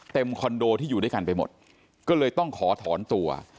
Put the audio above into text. คอนโดที่อยู่ด้วยกันไปหมดก็เลยต้องขอถอนตัว